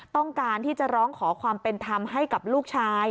ต้องการที่จะร้องขอความเป็นธรรมให้กับลูกชาย